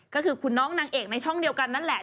ก็คือคุณน้องนางเอกในช่องเดียวกันนั่นแหละ